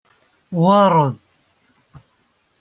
Setta u εecrin n yiseggasen n ccna, ḥdac n tesfifin.